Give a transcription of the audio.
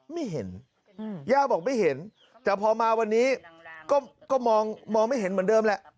ไม่เห็นย่าบอกไม่เห็นแต่พอมาวันนี้ก็มองไม่เห็นเหมือนเดิมแหละ